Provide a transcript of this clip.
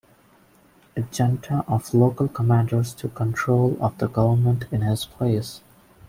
A junta of local commanders took control of the government in his place.